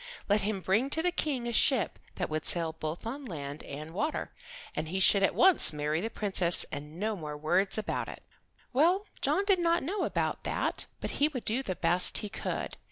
Let him bring to the King a ship that would sail both on land and water, and he should at once marry the Princess, and no more words about it. Well, John did not know about that, but he would do the best he could.